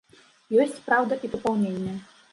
Ёсць, праўда, і папаўненне.